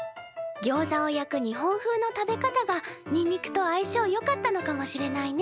ギョウザを焼く日本風の食べ方がにんにくとあいしょうよかったのかもしれないね。